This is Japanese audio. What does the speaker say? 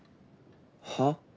はあ？